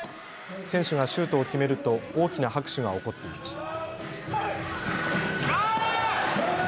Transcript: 選手がシュートを決めると大きな拍手が起こっていました。